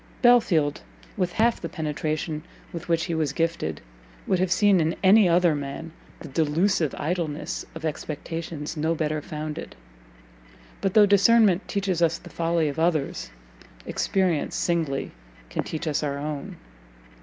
Belfield, with half the penetration with which he was gifted, would have seen in any other man the delusive idleness of expectations no better founded; but though discernment teaches us the folly of others, experience singly can teach us our own!